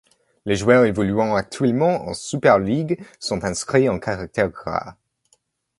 Les joueurs évoluant actuellement en Super League sont inscrits en caractères gras.